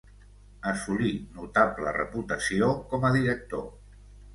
Assolí notable reputació com a director.